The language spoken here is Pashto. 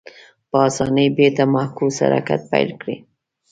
په اسانۍ بېرته معکوس حرکت پیل کړي.